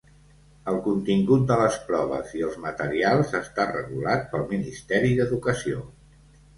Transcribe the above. El contingut de les proves i els materials està regulat pel Ministeri d'Educació.